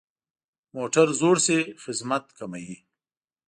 موټر زوړ شي، خدمت کموي.